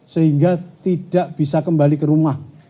sehingga tidak bisa kembali ke rumah